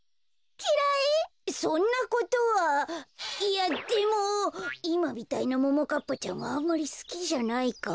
そんなことはいやでもいまみたいなももかっぱちゃんはあんまりすきじゃないかも。